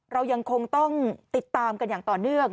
เรายังคงต้องติดตามกันอย่างต่อเนื่อง